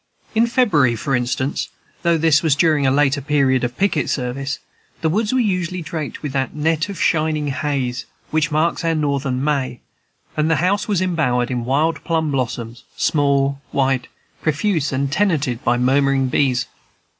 In February, for instance, though this was during a later period of picket service, the woods were usually draped with that "net of shining haze" which marks our Northern May; and the house was embowered in wild plum blossoms, small, white, profuse, and tenanted by murmuring bees.